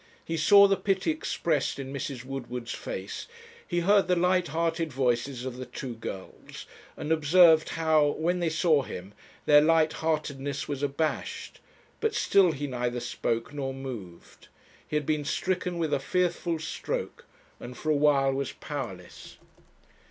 He saw the pity expressed in Mrs. Woodward's face; he heard the light hearted voices of the two girls, and observed how, when they saw him, their light heartedness was abashed; but still he neither spoke nor moved. He had been stricken with a fearful stroke, and for a while was powerless.